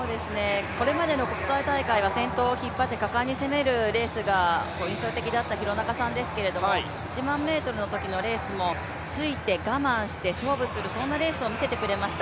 これまでの国際大会は先頭を引っ張って日間に攻めるレースが印象的だった廣中さんですけれども、１００００ｍのときのレースもついて、我慢して、勝負する、そんなレースを見せてくれました。